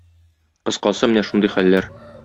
Кыскасы, менә шундый хәлләр.